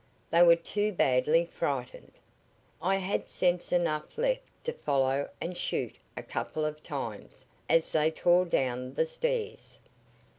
They were too badly frightened. I had sense enough left to follow and shoot a couple of times as they tore down the stairs.